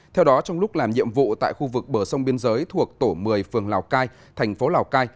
theo đó trong lúc làm nhiệm vụ tại khu vực bờ sông biên giới thuộc tổ một mươi phường lào cai thành phố lào cai